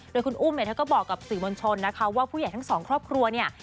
โดยคุณอุ้มเนี่ยเธอก็บอกกับสื่อมวลชนนะคะว่าผู้ใหญ่ทั้งสองครอบครัวเนี่ย